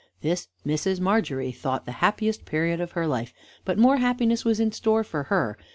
This Mrs. Margery thought the happiest period of her life; but more happiness was in store for her.